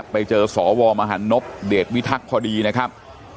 ไปเจอสวมหันนพเดชวิทักษ์พอดีนะครับ